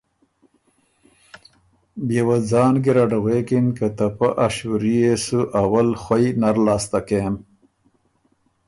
بيې وه ځان ګیرډ غوېکِن که ته پۀ ا شُوري يې سو اول خوئ نر لاسته کېم۔